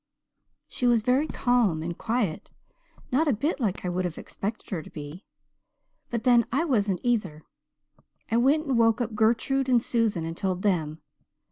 "She was very calm and quiet not a bit like I would have expected her to be. But then I wasn't either. I went and woke up Gertrude and Susan and told them.